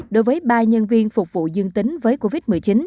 đối với ba nhân viên phục vụ dương tính với covid một mươi chín